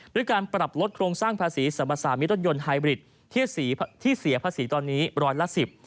ด้วยการปรับลดโครงสร้างภาษีสรรพสามิตรรถยนต์ไฮบริดที่เสียภาษีตอนนี้ร้อยละสิบ